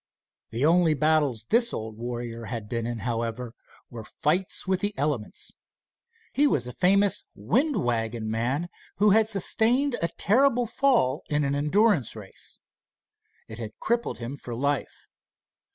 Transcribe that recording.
The only battles this old warrior had been in, however, were fights with the elements. He was a famous "wind wagon" man who had sustained a terrible fall in an endurance race. It had crippled him for life.